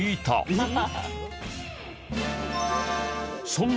えっ？